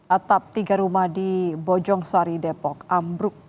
atap tiga rumah di bojong sari depok ambruk